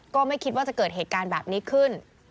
ก็ไม่คิดว่าจะเกิดเหตุการณ์แบบนี้ขึ้น